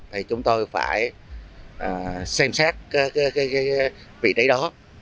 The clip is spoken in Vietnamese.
thì chúng tôi phải xem xét cái vị trí đó